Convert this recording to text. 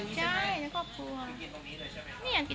ชังไม่น่ากลัว